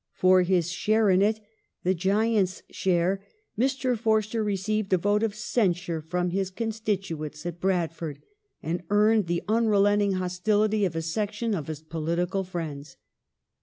For his share in it — the giant's share — Mr. Forster received a vote of censure from his constituents at Bradford, and earned the unrelenting hostility of a section of his political friends.